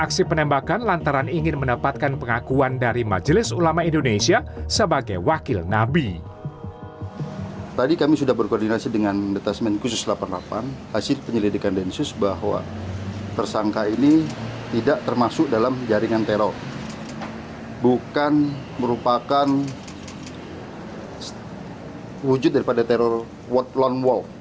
ketua majelis ulama indonesia bidang fatwa asro rumniam